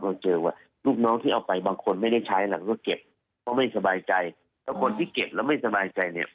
เราเจอว่าลูกน้องที่เอาไปบางคนไม่ได้ใช้อะไรก็เก็บเพราะไม่สบายใจ